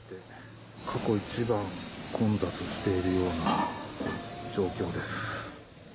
過去一番混雑しているような状況です。